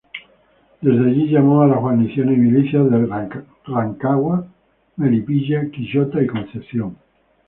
Desde allí llamó a la guarniciones y milicias de Rancagua, Melipilla, Quillota y Concepción.